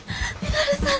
稔さん。